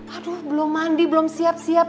aduh belum mandi belum siap siap